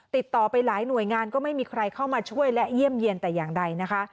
ติดต่อไปหลายหน่วยงานก็ไม่มีใครเข้ามาช่วยและเยี่ยมเยี่ยนแต่อย่างใดนะคะ